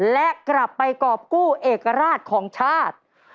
และกลับไปกรอบกู้เอกราชของชาติ